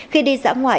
khi đi dã ngoại